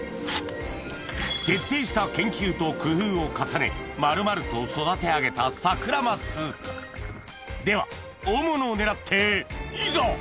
徹底した研究と工夫を重ね丸々と育て上げたサクラマスでは大物を狙っていざ！